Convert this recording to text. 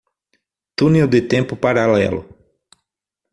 Túnel de tempo paralelo